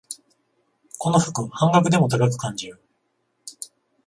この服、半額でも高く感じる